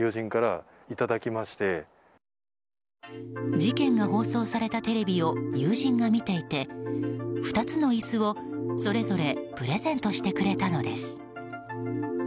事件が放送されたテレビを友人が見ていて２つのイスをそれぞれプレゼントしてくれたのです。